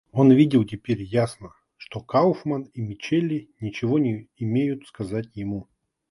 Он видел теперь ясно, что Кауфман и Мичели ничего не имеют сказать ему.